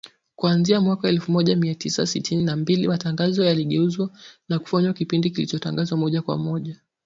Kuanzia mwaka elfu moja mia tisa sitini na mbili matangazo yaligeuzwa na kufanywa kipindi kilichotangazwa moja kwa moja